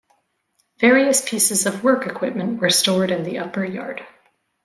Various pieces of work equipment were stored in the upper yard.